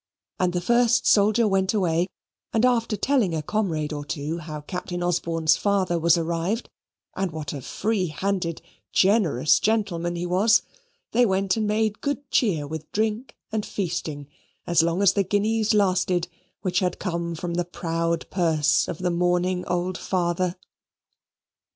And the first soldier went away; and after telling a comrade or two how Captain Osborne's father was arrived, and what a free handed generous gentleman he was, they went and made good cheer with drink and feasting, as long as the guineas lasted which had come from the proud purse of the mourning old father.